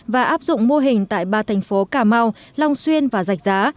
và áp dụng mô hình tại ba thành phố cà mau long xuyên và giạch giá